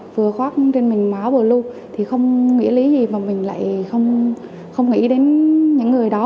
vừa khoác trên mình áo blue thì không nghĩa lý gì và mình lại không nghĩ đến những người đó